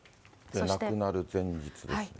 亡くなる前日ですね。